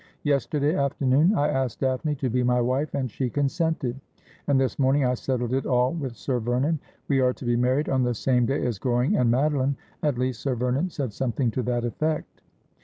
Yester day afternoon I asked Daphne to be my wife, and she consented ; and this morning I settled it all with Sir Vernon. We are to be married on the same day as Goring and Madeline — at least, Sir Vernon said something to that effect.'